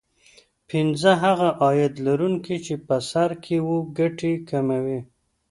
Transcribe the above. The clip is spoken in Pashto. پینځه هغه عاید لرونکي چې په سر کې وو ګټې کموي